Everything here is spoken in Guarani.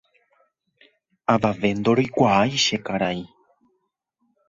avave ndoroikuaái che karai